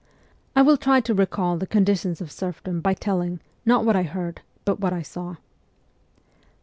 I will try to recall the conditions of serf dom by telling, not what I heard, but what I saw.